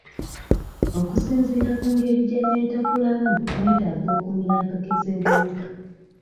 Okusinziira ku ngeri gye neetakulamu neetaga okumira empeke z'ebiwuka.